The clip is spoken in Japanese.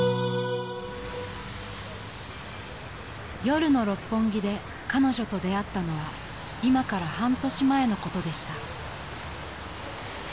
［夜の六本木で彼女と出会ったのは今から半年前のことでした］